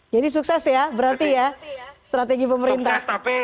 jadi sukses ya berarti ya strategi pemerintah